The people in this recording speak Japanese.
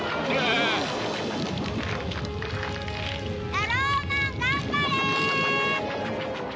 タローマン頑張れ！